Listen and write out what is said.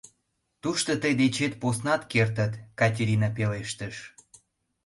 Тушто тый дечет поснат кертыт, — Катерина пелештыш.